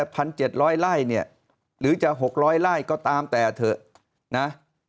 พันเจ็ดร้อยไล่เนี่ยหรือจะหกร้อยไล่ก็ตามแต่เถอะนะ